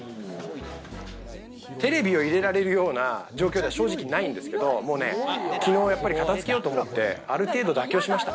テレビを入れられるような状況じゃあ正直時期ないんですけど、昨日やっぱり片付けようと思って、ある程度妥協しました。